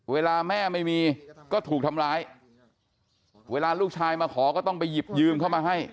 เวลาแม่ไม่มีก็ถูกทำร้ายเวลาลูกชายมาขอก็ต้องไปหยิบยืมเข้ามาให้